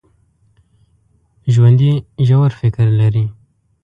ژوندي ژور فکر لري